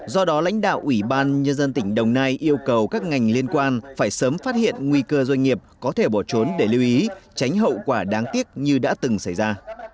do đó lãnh đạo ủy ban nhân dân tỉnh đồng nai yêu cầu các ngành liên quan phải sớm phát hiện nguy cơ doanh nghiệp có thể bỏ trốn để lưu ý tránh hậu quả đáng tiếc như đã từng xảy ra